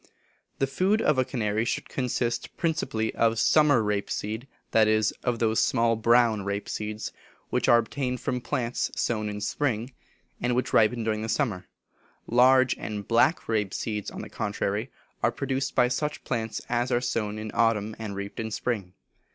The food of a canary should consist principally of summer rape seed that is, of those small brown rape seeds which are obtained from plants sown in the spring, and which ripen during the summer; large and black rape seeds, on the contrary, are produced by such plants as are sown in autumn and reaped in spring.